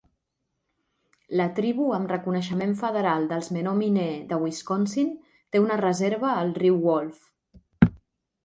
La tribu amb reconeixement federal dels menominee de Wisconsin té una reserva al riu Wolf.